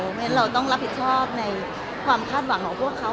เพราะฉะนั้นเราต้องรับผิดชอบในความคาดหวังของพวกเขา